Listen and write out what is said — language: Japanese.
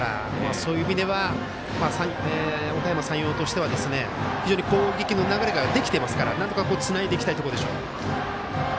そういう意味ではおかやま山陽としては非常に攻撃の流れができていますからなんとかつないでいきたいところでしょう。